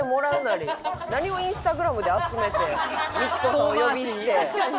何をインスタグラムで集めてミチコさんお呼びして。